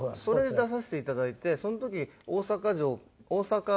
それに出させて頂いてその時大阪城大阪。